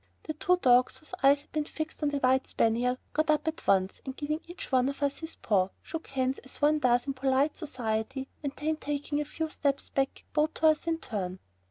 The two dogs, whose eyes had been fixed on the white spaniel, got up at once and giving' each one of us his paw, shook hands as one does in polite society, and then taking a few steps back bowed to us in turn.